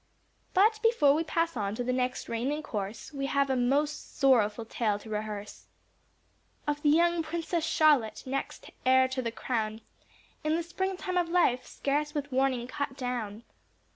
But before we pass on to the next reign in course, We have a most sorrowful tale to rehearse, Of the young princess Charlotte, next heir to the crown, In the spring time of life, scarce with warning cut down.